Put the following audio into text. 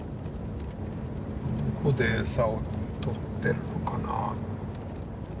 どこで餌を捕ってるのかなあ？